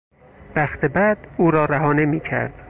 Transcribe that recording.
بخت بد او را رها نمیکرد.